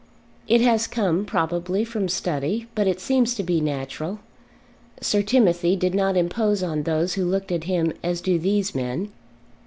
It has come, probably, from study, but it seems to be natural. Sir Timothy did not impose on those who looked at him as do these men.